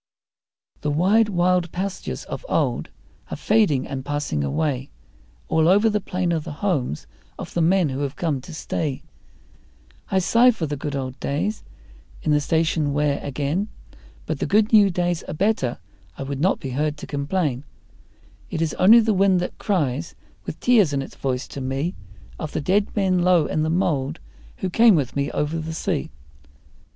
The wide, wild pastures of old are fading and passing away, All over the plain are the homes of the men who have come to stay I sigh for the good old days in the station whare again; But the good new days are better I would not be heard to complain; It is only the wind that cries with tears in its voice to me Of the dead men low in the mould who came with me over the sea.